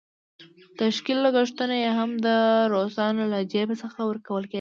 د تشکيل لګښتونه یې هم د روسانو له جېب څخه ورکول کېدل.